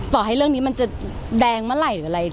ต่อให้เรื่องนี้มันจะแดงเมื่อไหร่หรืออะไร